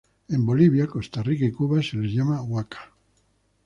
En Bolivia, Costa Rica y Cuba, se le llama huaca.